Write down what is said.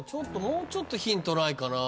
もうちょっとヒントないかな？